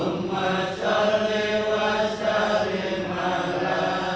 ummah syari' wa syari' mala